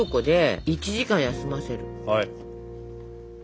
はい！